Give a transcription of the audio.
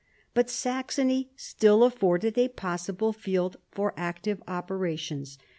But Saxony still afforded a possible field for active operations.